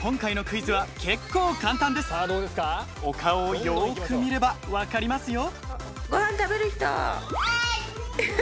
実はお顔をよく見れば分かりますよ